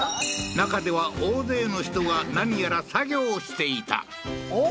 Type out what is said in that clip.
中では大勢の人が何やら作業をしていたおっ？